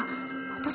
私